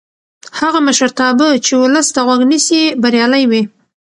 هغه مشرتابه چې ولس ته غوږ نیسي بریالی وي